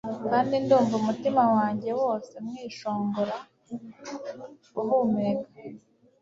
Kandi ndumva umutima wanjye wose mwishongora uhumeka